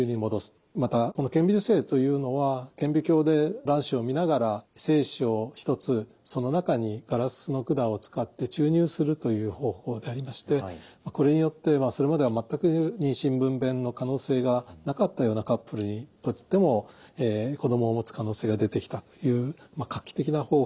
またこの顕微授精というのは顕微鏡で卵子を見ながら精子を１つその中にガラスの管を使って注入するという方法でありましてこれによってそれまでは全く妊娠分娩の可能性がなかったようなカップルにとっても子どもをもつ可能性が出てきたという画期的な方法であったわけです。